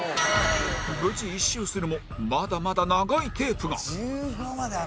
無事一周するもまだまだ長いテープが